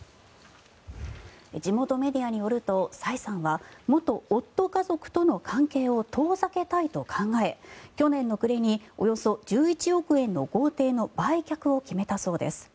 地元メディアによるとサイさんは元夫家族との関係を遠ざけたいと考え去年の暮れにおよそ１１億円の豪邸の売却を決めたそうです。